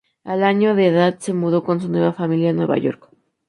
Al año de edad se mudó con su familia a Nueva York.